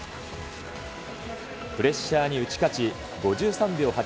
プレッシャーに打ち勝ち、５３秒８３。